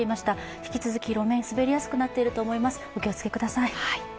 引き続き路面滑りやすくなっていると思います、お気をつけください